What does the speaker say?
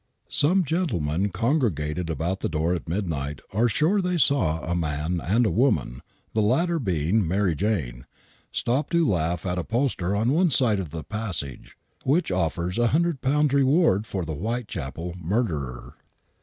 Some gentlemen congregated about the door at midnight are sure they saw a man and a woman, the latter being Mary Jane, stop to laugh at a poster on one side of the passage, which offers a hundred pounds reward for the whitechapel murderer.